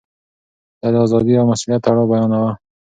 ده د ازادۍ او مسووليت تړاو بيانوه.